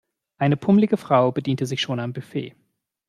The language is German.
Eine pummelige Frau bediente sich schon am Buffet.